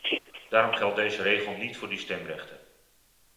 Daarom geldt deze regel niet voor die stemrechten.